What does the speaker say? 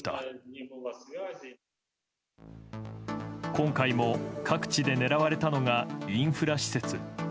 今回も各地で狙われたのがインフラ施設。